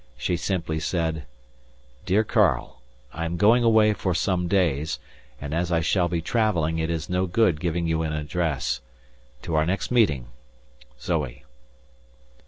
She simply said: "DEAR KARL, "I am going away for some days, and as I shall be travelling it is no good giving you an address. To our next meeting! "ZOE."